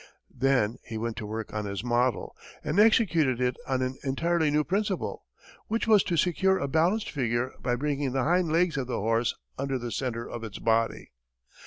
Then he went to work on his model, and executed it on an entirely new principle, which was to secure a balanced figure by bringing the hind legs of the horse under the centre of its body.